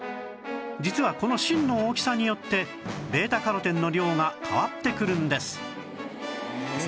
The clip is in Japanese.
実はこの芯の大きさによって β− カロテンの量が変わってくるんです